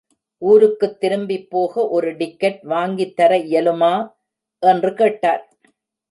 ஊருக்குத் திரும்பிப் போக ஒரு டிக்கெட் வாங்கித் தர இயலுமா? என்று கேட்டார்.